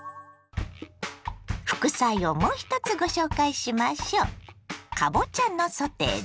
副菜をもう１つご紹介しましょう。